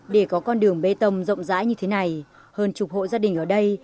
để có con đường bê tông rộng rãi như thế này hơn chục hộ gia đình ở đây